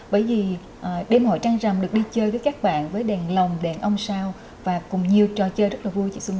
bởi vì đêm hội trăng rằm được đi chơi với các bạn với đèn lồng đèn ông sao và cùng nhiều trò chơi rất là vui chị xuân